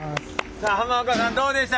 さあ濱岡さんどうでした？